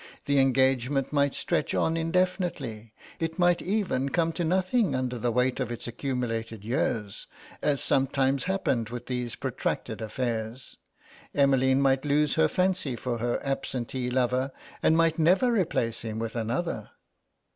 The engagement might stretch on indefinitely, it might even come to nothing under the weight of its accumulated years, as sometimes happened with these protracted affairs. Emmeline might lose her fancy for her absentee lover, and might never replace him with another.